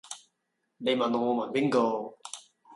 你問我我問邊個